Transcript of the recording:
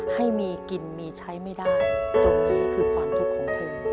ให้มีกินมีใช้ไม่ได้ตรงนี้คือความทุกข์ของเธอ